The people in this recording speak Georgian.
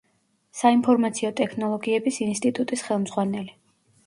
საინფორმაციო ტექნოლოგიების ინსტიტუტის ხელმძღვანელი.